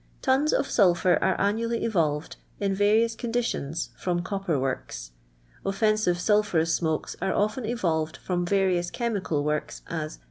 Ton 4 of sulphor are annually evolved in variius condi lions from copper w irks. Offensive suipburou!< smokes are often evolved from various clieinical works, as g.